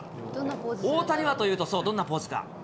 大谷はというと、そう、どんなポーズか。